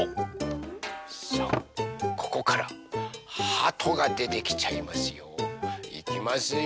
さあここからはとがでてきちゃいますよ。いきますよ。